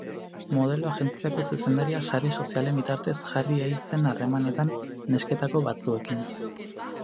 Modelo agentziako zuzendaria sare sozialen bitartez jarri ei zen harremanetan nesketako batzuekin.